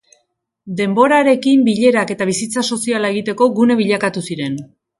Denborarekin bilerak eta bizitza soziala egiteko gune bilakatu ziren.